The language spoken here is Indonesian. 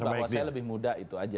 yang pasti bahwa saya lebih muda itu aja